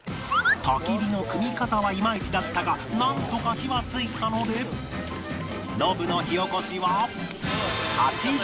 焚き火の組み方はイマイチだったがなんとか火は付いたのでノブの火起こしは